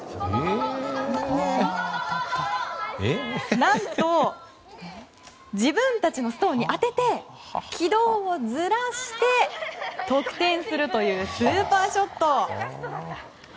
何と自分たちのストーンに当てて軌道をずらして得点するというスーパーショット！